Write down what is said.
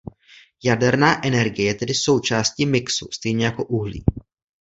Jaderná energie je tedy součástí mixu, stejně jako uhlí.